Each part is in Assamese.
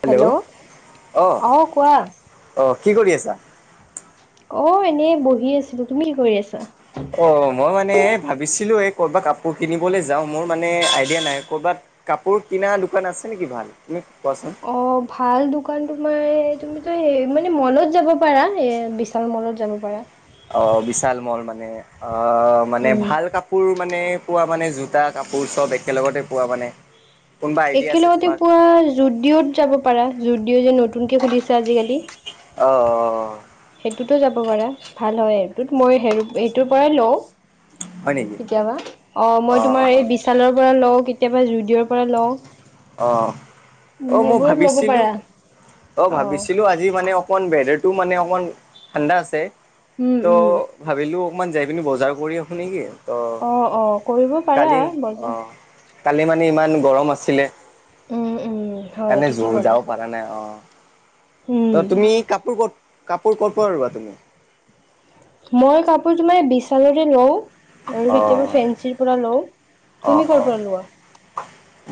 হেল্ল', অহ অ কোৱা - অহ কি কৰি আছা? অ এনেই বহি আছিলো, তুমি কি কৰি আছা? অঁ মই মানে ভাবিছিলোঁ এই ক'ৰবাত কাপোৰ কিনিবলৈ যাওঁ মোৰ মানে আইডিয়া নাই ক'ৰবাত কাপোৰ কি কিনা দোকান আছে নেকি ভাল? কোৱাচোন? অ ভাল দোকান তোমাৰ তুমিতো সেই মানে মলত যাব পাৰা এ বিশাল মনত যাব পাৰা। অ বিশাল মল মানে অ মানে উম ভাল কাপোৰ মানে পোৱা মানে জোতা, কাপোৰ চব একেলগতে পোৱা মানে। কোনোবা আইডিয়া আছে একেলগতে তোমাৰ? পুৱা জুডিঅ'ত যাব পাৰা জুদিঅ' যে নতুনকে খুলিছে আজিকালি। অঁ। সেইটোতো যাব পাৰা ভাল হয় সেইটো মই সেইটোৰ পৰাই লও। হয় নেকি? কেতিয়াবা অ মই তোমাৰ অঁ এই বিশালৰ পৰা লওঁ কেতিয়াবা জুডিঅ'ৰ পৰা লওঁ। অ, উম অ মই সেইবোৰত ল'ব ভাবিছিলো পাৰা অ ভাবিছিলো আজি মানে অকণমান ৱেডাৰটো মানে অকণমান ঠাণ্ডা আছে উম ত' উম ভাবিলোঁ অকণমান যাই পিনি বজাৰ কৰি আহোঁ নেকি। অ, অ কৰিব পাৰা কালি অ, বজাৰ কালি মানে ইমান গৰম আছিলে উম, উম, হয় সেইকাৰণে ঠিকেই জোৰ ক'লা। যাব পৰা নাই অ। উম, ত তুমি কাপোৰ ক'ত কাপোৰ ক'ত পৰা লবা তুমি? মই কাপোৰ তো মানে বিশালতে লওঁ আৰু কেতিয়াবা অ' ফেঞ্চিৰ পৰা লওঁ। অ' তুমি কৰ অ' পৰা লোৱা?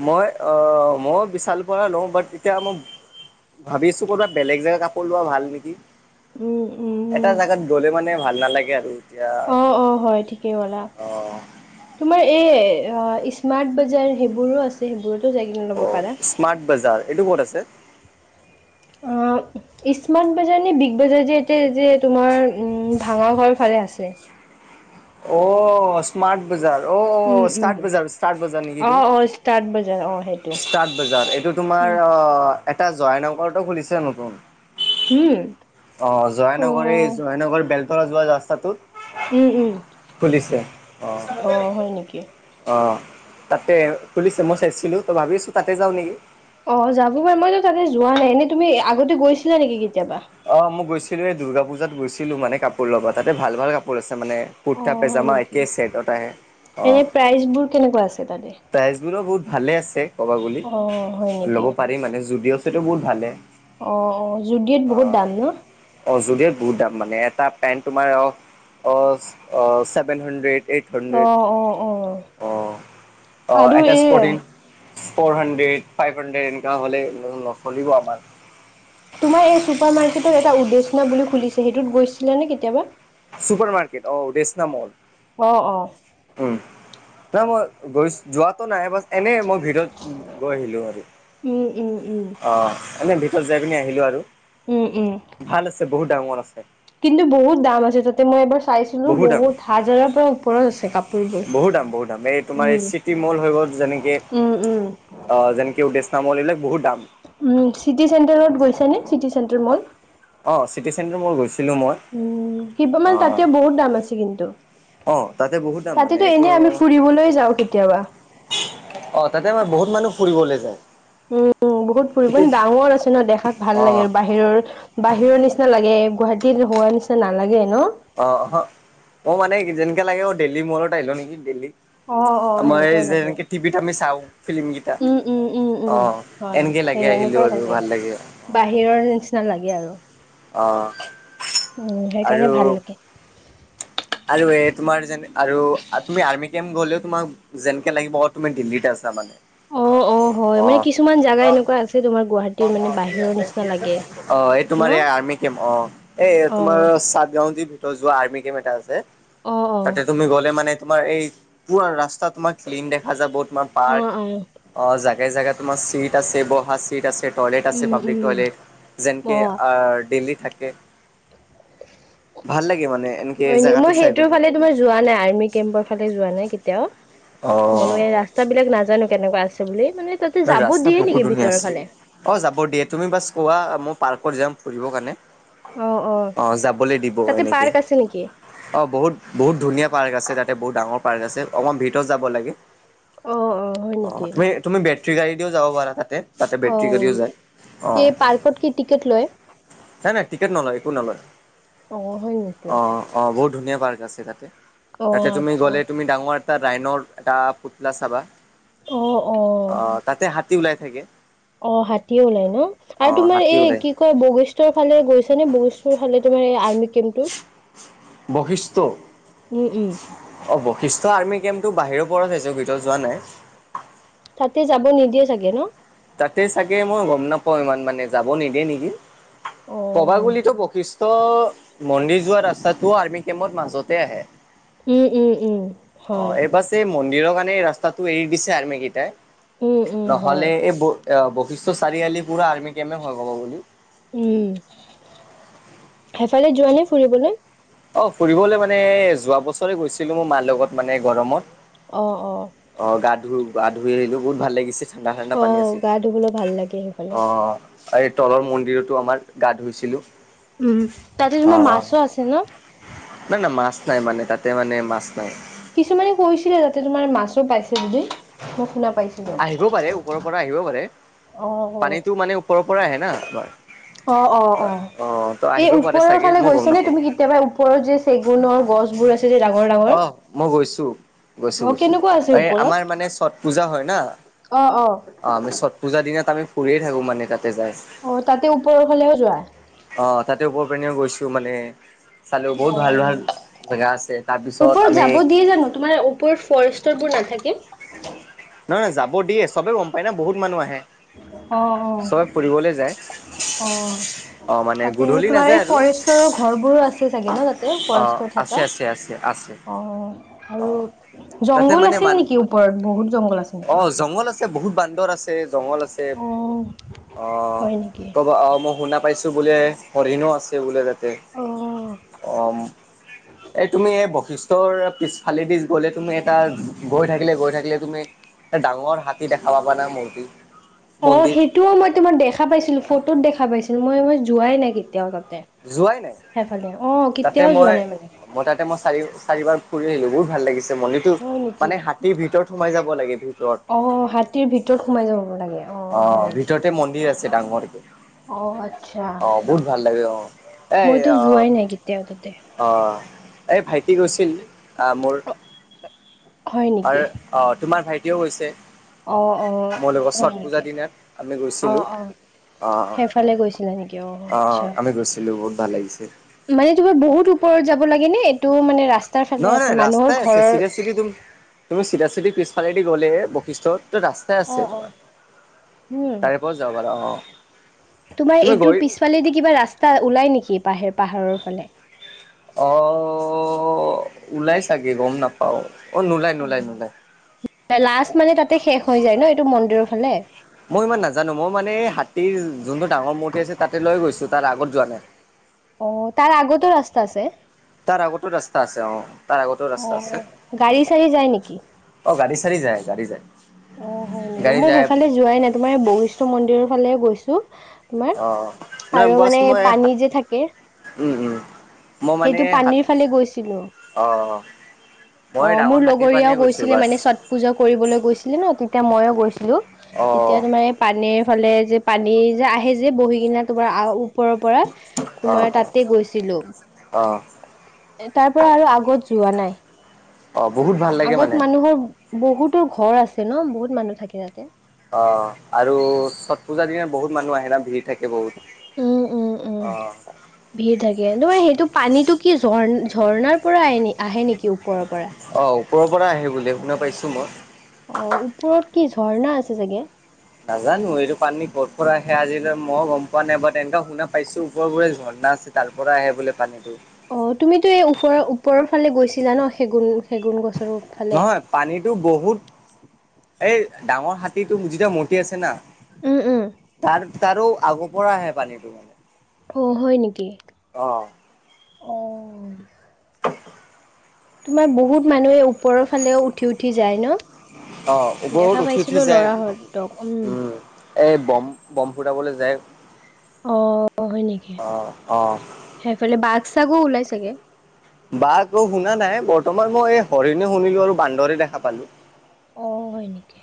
মই অহ মই বিশালৰ পৰা লওঁ বাট এতিয়া মই ভাবিছো কৰবাত বেলেগ জেগা কাপোৰ লোৱা ভাল নেকি? উম, এটা উম। জেগাত গলে মানে ভাল নালাগে আৰু। এতিয়া অ অ হয় ঠিকেই কলা, অ' তোমাৰ এই অ স্মাৰ্ট বজাৰ সেইবোৰো আছে, সেইবোৰতো যাই কিনে ল'ব অ' পাৰা। স্মাৰ্ট বজাৰ এইটো ক'ত আছে? অ, স্মাৰ্ট বাজাৰ নে বিগ বাজাৰ যে এতিয়া যে তোমাৰ ভাঙা ঘৰ ফালে আছে। অ স্মাৰ্ট বজাৰ। অ উম, অ উম, ষ্টাৰ্ট বজাৰ ষ্টাৰ্ট বজাৰ নেকি এইটো? অ', অ' ষ্টাৰ্ট বজাৰ অ' সেইটো। স্মাৰ্ট বজাৰ এইটো তোমাৰ উম, অ, এটা জয়া নগৰতো খুলিছে নতুন। উম। অ, জয়ানগৰ অ' -জয়ানগৰ বেলতলা যোৱা ৰাস্তাটোত। উম, উম খুলিছে অ আহ হয় নেকি? অ তাতে খুলিছে মই চাইছিলো ত, ভাবি আছো তাতে যাও নেকি। অ, যাব পাৰ মইতো তাতে যোৱা নাই এনেই তুমি আগতে গৈছিলা নেকি কেতিয়াবা? অ মই গৈছিলো এই দুৰ্গা পূজাত গৈছিলো মানে কাপোৰ ল'বা তাতে ভাল ভাল কাপোৰ আছিল। মানে অ কুৰটা হয় পেজামা নেকি একেছেটত আহে। এনে প্ৰাইজ বোৰ কেনেকুৱা আছে তাতে। প্ৰাইজবোৰো বহুত ভালে আছে ক'ব গলি, অ হয় নেকি ল'ব পাৰি মানে যুডঅ' চুডিঅ বহুত ভালে। অ অ জুদিত বহুত দাম ন। যদি বহুত দাম মানে এটা পেন্ট তোমাৰ অ অ চছেভেন হাণ্ড্ৰেড এইট অ হণ্ড্ৰেড, অ অ অ আৰু এটা এই স্পটিনং। ফ'ৰ হাড্ৰেড ফাইভ হাড্ৰেড এনে হ'লে নচলিব আমাৰ। তোমাৰ এই চুপাৰ মাৰ্কেটৰ এটা উদ্দেশনা বুলি খুলিছে সেইটোত গৈছিলে নে কেতিয়াবা? সুপাৰ মাৰ্কেট অ উডেছনা মল। অ অ নাই মই গৈ যোৱাত টো নাই বাছ এনে মই ভিতৰত গৈ আহিলোঁ আৰু। উম উম উম অ এনে ভিতৰত যাই পিনি আহিলো আৰু। উম উম ভাল আছে বহুত ডাঙৰ আছে। কিন্তু বহুত দাম আছে তাতে মই এবাৰ চাইছিলো বহুত হাজাৰৰ পৰা ওপৰত আছে কাপোৰ বোৰ। বহুত দাম বহুত দাম এই তোমাৰ এই উম। চিটি মল হৈ গ'ল যেনেকে উম উম অ যেনেকে উদ্দেশনা মল এইবিলাক বহুত দাম। উ চিটি চেণ্টাৰত গৈছে নে চিটি চেণ্টাৰ মল। অ চিটি চেণ্টৰ মল গৈছিলোঁ মই। উম, কিবা মান তাতে অ', বহুত দাম আছে কিন্তু। অ', তাতে বহুত দাম মানে তাতেতো এইটো এনে আমি ফুৰিবলৈ যাওঁ কেতিয়াবা অ তাতে আমাৰ বহুত মানুহ ফুৰিবলৈ যায়। উম বহুত ফুৰিব নে ডাঙৰ আছে ন দেখাত ভাল লাগে অ', আৰু বাহিৰৰ। বাহিৰৰ নিচিনা লাগে গুৱাহাটীত হোৱা নিচিনা নালাগে ন। অহ অ মানে যেনেকে লাগে অ দেহলী মলত আহিলো নেকি দেলহি অ', অ', আমাৰ সেনেকুৱাই যে লাগে। এনেকে টিভিত আমি চাওঁ ফিল্ম কেইটা উম, উম, উম, অ উম, হয় এনে একে সেই লাগে আহিলো এনেকুৱাই আৰু ভাল লাগে। বাহিৰৰ নিচিনা লাগে আৰু। অ', উম আৰু সেইকাৰণে ভাল লাগে। আৰু এই তোমাৰ যেন আৰু তুমি আৰ্মি কেম গ'লেও তোমাক যেনেকে লাগিব তুমি ডিলিট আছা মানে। অ', অ হয় মানে অ', কিছুমান জাগা এনেকুৱা আছে তোমাৰ গুৱাহাটীৰ মানে বাহিৰৰ নিচিনা লাগে অ', এই ন। তোমাৰ এই আৰ্মি কেম অ এই তোমাৰ অ', চাতগাও যি যোৱা আৰ্মি কেম এটা আছে অ', তাতে অ', তুমি গ'লে মানে তোমাৰ এই পুৰা ৰাস্তা তোমাৰ ক্লিন দেখা যাব বহুত তোমাৰ পাৰ্ক অ', অ', অ জাগাই জেগাত তোমাৰ চিট আছে বহা চিট আছে টয়লেট আছে উম, পাব্লিক উম, টয়লেট যেনকে অ'। দিল্লী তাকে ভাল লাগে মানে এনেকে হয় নেকি জেগাত সেইটোৰ ফালে তোমাৰ যোৱা নাই আৰ্মি কেম্পৰ ফালে যোৱা নাই কেতিয়াও। অ মনৰে এই ৰাস্তা বিলাক নাজানো কেনেকোৱা আছে বুলি। মানে তাতে যাব ৰাস্তা দিয়ে বহুত নেকি ধুনীয়া ভিতৰৰ আছে ফালে অ যাব দিয়ে তুমি বাছ কোৱা মোক পাৰ্কত যাম ফুৰিবৰ কাৰণে। অ যাবলৈ দিব তাতে এনেকে পাৰ্ক আছে নেকি অ বহুত বহুত ধুনীয়া পাৰ্ক আছে- আছে তাতে বহুত ডাঙৰ অকমান ভিতৰত যাব লাগে। অ হয় অ নেকি তুমি তুমি বে- ট্টি গাড়ী দিও যাব পাৰা তাতে তাতে অ বেটৰী গাড়ীও যায় অ। এই পাৰ্কত কি টিকেট লয় নাই নাই টিকট নলয় একো নলয়। অহ হয় নেকি। অঁ অঁ বহুত ধুনীয়া পাৰ্ক আছে তাতে অ তাতে তুমি আচ্ছা গ'লে তুমি ডাঙৰ এটা ৰাইনৰ এটা পুতলা চাবা। অ অ তাতে হাতী ওলাই থাকে অ হাতীয়ে ওলাই ন আৰু অঁ তোমাৰ হাতী এই ওলাই কি কয় বশিষ্ঠৰ ফালে গৈছ নে বগীষ্ঠৰ ফালে তু আৰ্মি কেম্পটোত বশিষ্ট উম উম বশিষ্ট আৰ্মি কেম্পটো বাহিৰ পৰা চাইছো ভিতৰত যোৱা নাই তাতে যাব নিদিয়ে চাগে ন তাতে চাগে মই গম নাপাওঁ ইমান মানে যাব নিদিয়ে নেকি অ কবাগুলিতো বশিষ্ট ত' মন্দিৰ যোৱা ৰাস্তাটো আৰ্মি কেম্পৰ মাজতে আহে উম উম উম অ হয় এইবাৰ এই মন্দিৰৰ কাৰণে এই ৰাস্তাটো এৰি দিছে আৰ্মি কেইটাই উম উম হয় অ বশিষ্ট চাৰিআলি পুৰা আৰ্মি কেমে হয় ক'ব গলে উম সেইফালে যোৱা নে ফুৰিবলৈ অ ফুৰিবলৈ মানে যোৱা বছৰে গৈছিলো মোৰ মাৰ লগত মানে গৰমত অ গা ধো গা ধুই আহিলো বহুত ভাল লাগি ঠাণ্ডা ঠাণ্ডা পানী অ', আছে গা ধুবলৈ ভাল লাগে সেইফালে। অ আৰু এই তলৰ মন্দিৰততো আমাৰ গা ধুইছিলো উম তাতে তোমাৰ মাছো আছে ন ন নাই মাছ নাই মানে তাতে মানে মাছ নাই কিছুমানে কৈছিলে যাতে তোমাৰ মাছো পাইছে বুলি মই শুনা পাইছিলোঁ। আহিব পাৰে ওপৰৰ পৰা আহিব পাৰে অ'। পানীতো মানে ওপৰৰ পৰা আহে না আমাৰ অ অ অ ত এই আহিব পাৰে ওপৰৰ চাগে ফালে মই গম গৈছ নে নাপাওঁ তুমি কেতিয়াবা ওপৰৰ যে চেগুনৰ গছবোৰ আছে যে ডাঙৰ ডাঙৰ? অ মই গৈছো গৈছো অ', গৈছো কেনেকুৱা আছে এই ওপৰত? আমাৰ মানে চত পূজা হয় না অ আমি চট পূজাৰ দিনত আমি ফুৰিয়ে থাকোঁ মানে তাত অ তাতে ওপৰ হলেও যোৱা অ তাতে ওপৰৰ পিনেও গৈছো মানে চালো বহুত ভাল ভাল অ'। জেগা আছে তাৰপিছত ওপৰত আমি যাব দিয়ে জানো তোমাৰ ওপৰত ফৰেষ্টৰ বোৰ নাথাকে নহয় নহয় যাব দিয়ে চবে গম পায় না বহুত মানুহ আহে অ', অ'। চবে ফুৰিবলে যায় অ অ', মানে তাতে গধূলি তোমাৰ নাযায় এই আৰু ফৰেষ্টৰ ঘৰবোৰো আছে চাগে ন তাতে অ', ফৰেষ্টৰ আছে থাকা আছে আছে আছে অ অ আৰু তাতে জংঘল মানে আছিল মান নেকি ওপৰত বহুত জং অ জংঘল আছে বহুত বান্দৰ আছে জঙ্গল আছে অ অ হয় নেকি ত মই শুনা পাইছো বোলে হৰিণো আছে বোলে ততে অ অ এই তুমি এই বশিষ্ট ৰ পিছফালেদিছ গ'লে তুমি এটা গৈ থাকিলে গৈ থাকিলে তুমি ডাঙৰ হাতী দেখা পাবা না মূৰ্তি অ মন্দিৰ সেইটোও মই তোমাৰ দেখা পাইছিলো ফটোত দেখা পাইছিলো মই মই যোৱাই নাই কেতিয়াও তাত যোৱাই নাই তাতে কেতিয়াও যোৱা মই নাই মানে মই তাতে মই চাৰি চাৰিবাৰ ফুৰি আহিলো বহুত ভাল লাগিছে মন্দিটো হয় নেকি মানে হাতীৰ ভিতৰত সোমাই যাব লাগে ভিতৰত অ হাতীৰ ভিতৰত সোমাই যাব লাগে অ হয় নেকি ভিতৰতে মন্দিৰ আছে ডাঙৰকে অ আচ্ছা অ বহুত ভাল লাগে অ এ মইতো যোৱাই নাই কেতিয়াও তাতে অ অ এই ভাইটি গৈছিল আ মোৰ হয় নেকি আ তোমাৰ ভাইটিও গৈছে অ অ মোৰ লগত হয় ছট নেকি পূজাৰ দিনত আমি অ গৈছিলোঁ অ অ সেইফালে গৈছিলা নেকি অ আচ্ছা আমি গৈছিলো বহুত ভাল লাগিছে মানে তোমাৰ বহুত ওপৰত যাব লাগে নে এইটো মানে ৰাস্ত নহয় নহয় ৰাস্তাই আছে চিধাচিধি তুমি চিধাচিধি পিছফালেদি গ'লে বৈশিষ্ঠত ৰাস্তাই অ আছে অ তোমাৰ উম তাৰে পৰা যাব পাৰা অ তোমাৰ তুমি এইটোৰ গৈ পিছফালেদি কিবা ৰাস্তা ওলাই নেকি পাহ পাহাৰৰ ফালে। আহ ওলাই চাগে গম নাপাওঁ অ নোলায় নোলায় অ নোলায়। লাষ্ট মানে তাতে শেষ হৈ যায় ন এইটো মন্দিৰৰ ফালে। মই ইমান নাজানো মই মানে এই হাতীৰ যোনটোৰ ডাঙৰ মূৰ্তি আছে তাতে লৈ গৈছো তাৰ আগত যোৱা নাই। অ তাৰ আগতো ৰাস্তা আছে। তাৰ আগতো ৰাস্তা আছে অ তাৰ আগতো ৰাস্তা আছে, গাড়ী চাড়ী যায় নেকি অ গাড়ী গাড়ী যায়, গাড়ী যায়। অ হয় নেকি মই সেইফালে যোৱাই নাই তোমাৰ এই বৈষ্ণ মন্দিৰৰ ফালে গৈছোঁ। [unintelligible] তোমাৰ অ নাই আৰু বছ মানে মই পানী যে থাকে। উম উম মই মানে সেইটো হাত পানীৰ ফালে গৈছিলোঁ। অ অ মই ডাঙৰ মোৰ হাতীৰ পানে লগৰীয়াও গৈছো গৈছিলে বাছ মানে চট পূজা কৰিবলৈ গৈছিলে ন তেতিয়া মইয়ো গৈছিলোঁ। অ তেতিয়া তোমাৰ পানীৰ ফালে যে পানী যে আহে যে বহি কিনা তোমাৰ ওপৰৰ পৰা অ তোমাৰ তাতে গৈছিলোঁ। অ তাৰ পৰা আৰু আগত যোৱা নাই। অ বহুত ভাল লাগে আগত মানে। মানুহৰ বহুতো ঘৰ আছে ন বহুত মানুহ থাকে তাতে। অ আৰু ছট পূজাৰ দিনাত বহুত মানুহ আহে না ভিৰ থাকে বহুত। উম উম উম অ', ভিৰ থাকে তোমাৰ সেইটো পানীটো কি ঝণ ঝৰ্ণাৰ পৰা আহে নেকি? ওপৰৰ পৰা অ ওপৰৰ পৰা আহি বুলি শুনা পাইছোঁ মই। অ ওপৰত কি ঝৰ্ণা আছে চাগে। নাজানো এইটো পানী কৰ পৰা আহে আজিলৈ মইযো গম পোৱা নাই বাট এনেকুৱা শুনা পাইছো ওপৰবোৰে ঝৰ্ণা। আছে তাৰ পৰা আহে বোলে পানীটো। অ তুমিতো এই ওপৰৰ ওপৰৰ ফালে গৈছিলা ন সেগুন চেগুন গছ নহয় পানীতটো বহুত এই ডাঙৰ হাতীটো যেতিয়া মতি আছে না। উম, উম, তাৰ তাৰো আগৰ পৰা আহে পানীটো মানে। অ হয় নেকি। অ অ তোমাৰ বহুত মানুহে ওপৰৰ ফালেও উঠি উঠি যায় ন। অ দেখা ওপৰত উঠি পাইছিলো উঠি যায় ল'ৰাহঁতক উম এ বম বম ফুৰাবলৈ যায়। অ হয় নেকি অ', অ'। সেইফালে বাগ চাগো ওলাই চাগে। বা আকৌ শুনা নাই বৰ্তমান মই এই হৰিণে শুনিলো আৰু বান্দৰে দেখা পালোঁ। অ হয় নেকি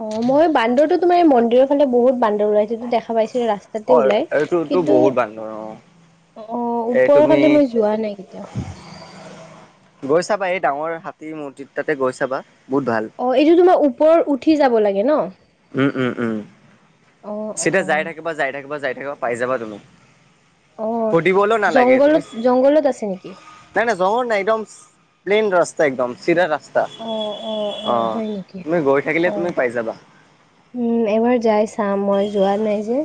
অহ মই বান্দৰ তোমাৰ মন্দিৰৰ ফালে বহুত বান ওলাইটো দেখা পাইছো ৰাস্তাতে অ', ওলাই এইটোতো কিন্তু বহুত বান্দৰ অ', অ এই ওপৰৰ তুমি ফালি মই যোৱা নাই কেতিয়াওঁ। গৈ চাবা এই ডাঙৰ হাতী মজিৰ তাতে গৈ চাবা। বহুত ভাল। অ এইটো তোমাৰ ওপৰত উঠি যাব লাগে ন। উম উম উম অ', চিধা যাই অ', থাকিবা যাই থাকিবা যাই থাকিব পাই যাবা তুমি। অ'। সুধিবলৈ নালাগে তুমি জংঘলত জংঘলত আছে নেকি? নাই নাই জঘল নাই একদম প্লেইন ৰাস্তা একদম চিধা ৰাস্তা। অ', অ হয় নেকি? তুমি গৈ থাকিলে অ'। তুমি পাই যাবা। উম, এবাৰ যাই চাম মই যোৱা নাই যে।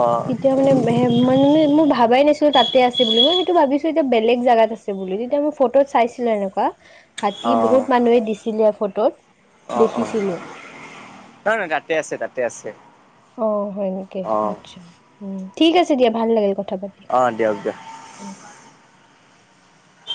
অ', কেতিয়া মানে সে মানে মই ভাবাই নাছিলো তাত তাতে আছে বুলি মই সেইটো ভাবিছো এতিয়া বেলেগ জেগাত আছে বুলি তেতিয়া মই ফটোত চাইছিলো এনেকোৱা হাতী অ', বহুত মানুহে দিছিলে ফটোত। অ অ দেখিছিলো। নহ নহয় তাতে আছে তাতে আছে অ হয় নেকি অ', আচ্ছা উম ঠিক আছে দিয়া ভাল লাগিল কথা পাতি অ দিয়ক দিয়ক উম।